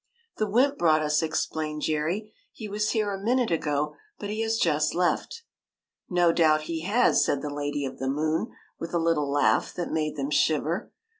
" "The wymp brought us," explained Jerry. " He was here a minute ago, but he has just left." " No doubt he has," said the Lady of the Moon, with a little laugh that made them shiver.